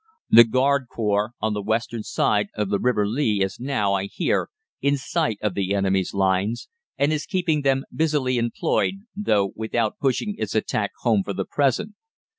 The Garde Corps on the western side of the River Lea is now, I hear, in sight of the enemy's lines, and is keeping them busily employed, though without pushing its attack home for the present.